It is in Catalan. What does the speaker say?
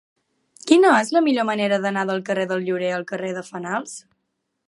Quina és la millor manera d'anar del carrer del Llorer al carrer de Fenals?